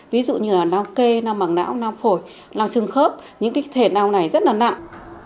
ví dụ như là lao kê lao mẳng não lao phổi lao sừng khớp những cái thể nào này rất là nặng